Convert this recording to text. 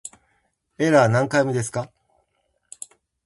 エラー何回目ですか